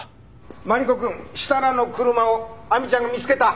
マリコくん設楽の車を亜美ちゃんが見つけた。